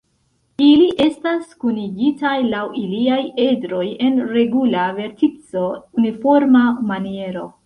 Ili estas kunigitaj laŭ iliaj edroj en regula vertico-uniforma maniero.